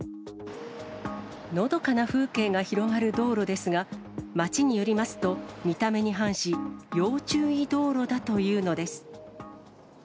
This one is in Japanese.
のどかな風景が広がる道路ですが、町によりますと、見た目に反し、要注意道路だというのです。